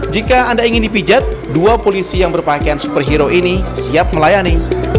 jika anda ingin dipijat dua polisi yang berpakaian superhero ini siap melayani